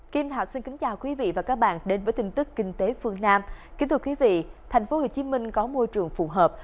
kính thưa quý vị và các bạn thành phố hồ chí minh có môi trường phù hợp